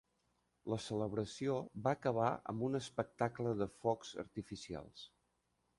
La celebració va acabar amb un espectacle de focs artificials.